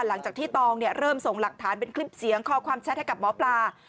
หลังจากที่ตองเริ่มส่งหลักฐานเป็นคลิปเสียงข้อความแชทให้กับหมอปลา